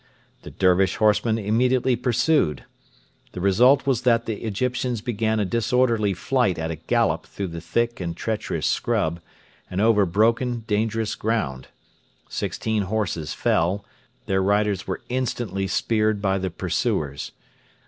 The Dervish horsemen immediately pursued. The result was that the Egyptians began a disorderly flight at a gallop through the thick and treacherous scrub and over broken, dangerous ground. Sixteen horses fell; their riders were instantly speared by the pursuers.